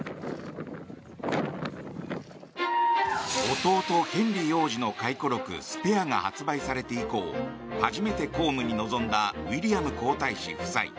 弟ヘンリー王子の回顧録「スペア」が発売されて以降初めて公務に臨んだウィリアム皇太子夫妻。